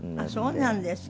そうなんですか。